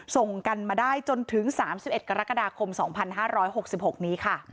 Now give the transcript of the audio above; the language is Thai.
ส่งกันมาได้จนถึง๓๑กรกฎาคม๒๕๖๖นี้ค่ะ